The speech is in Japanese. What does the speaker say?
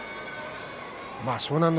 湘南乃